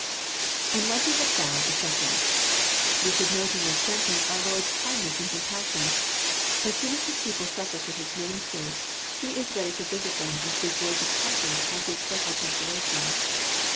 {^And when Tie had found, etc.'] We should note in this sen tence our Lord's Jcindness and compassion. As soon as His people si^er for His name's sake He is ready to visit them and speak words of comfort and give special consolation.